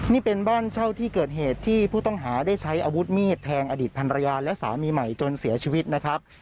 นี่เป็นบ้านเช่าที่เกิดเหตุที่ผู้ต้องหาได้ใช้อาวุธมีดแทงอดีตพันรยาและสามีใหม่จนเสียชีวิตนะครับ